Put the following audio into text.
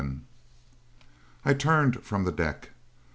XI I turned from the deck.